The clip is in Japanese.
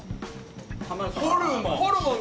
ホルモン。